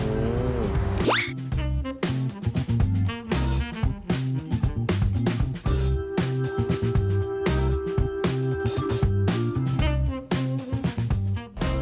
อืม